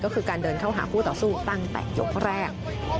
ก็คือการเดินเข้าหาคู่ต่อสู้ตั้งแต่ยกแรก